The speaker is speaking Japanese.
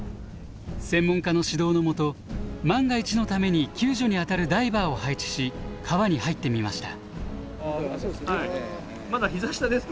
専門家の指導のもと万が一のために救助に当たるダイバーを配置し川に入ってみました。